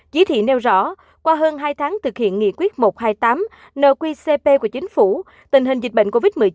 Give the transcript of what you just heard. chỉ thị nêu rõ qua hơn hai tháng thực hiện nghị quyết một trăm hai mươi tám nqcp của chính phủ tình hình dịch bệnh covid một mươi chín